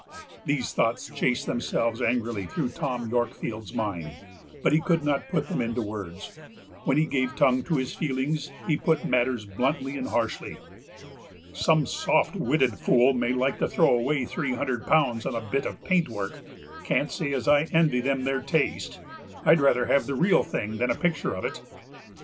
These thoughts chased themselves angrily through Tom Yorkfield's mind, but he could not put them into words. When he gave tongue to his feelings he put matters bluntly and harshly. "Some soft witted fools may like to throw away three hundred pounds on a bit of paintwork; can't say as I envy them their taste. I'd rather have the real thing than a picture of it."